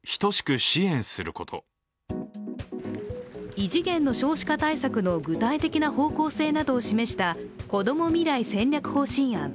異次元の少子化対策の具体的な方向性などを示したこども未来戦略方針案。